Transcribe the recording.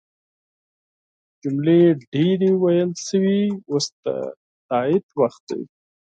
جملې ډیرې ویل شوي اوس د تایید وخت دی.